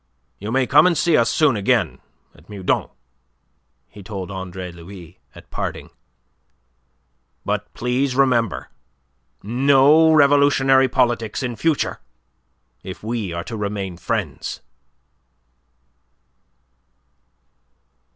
"You may come and see us soon again at Meudon," he told Andre Louis at parting. "But please remember no revolutionary politics in future, if we are to remain friends."